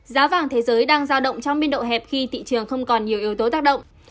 giá vàng thế giới đang giao động trong biên độ hẹp khi thị trường không còn nhiều yếu tố tác động